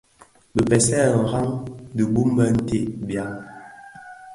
Bi bësè ñaran bum binted byan?